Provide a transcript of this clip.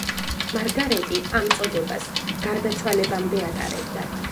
მარგარეტი ამ წოდებას გარდაცვალებამდე ატარებდა.